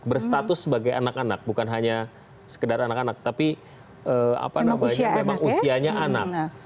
berstatus sebagai anak anak bukan hanya sekedar anak anak tapi apa namanya memang usianya anak